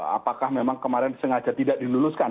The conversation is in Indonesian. apakah memang kemarin sengaja tidak diluluskan